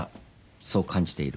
そう感じている。